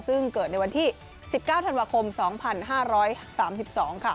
ซึ่งเกิดในวันที่๑๙ธันวาคม๒๕๓๒ค่ะ